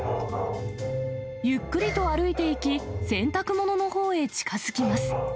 ゆっくりと歩いていき、洗濯物のほうへ近づきます。